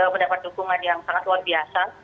mendapat dukungan yang sangat luar biasa